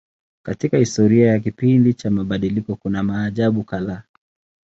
Katika historia ya kipindi cha mabadiliko kuna maajabu kadhaa.